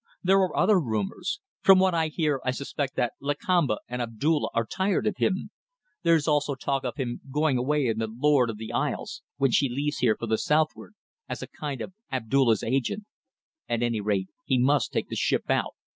There are other rumours. From what I hear I suspect that Lakamba and Abdulla are tired of him. There's also talk of him going away in the Lord of the Isles when she leaves here for the southward as a kind of Abdulla's agent. At any rate, he must take the ship out.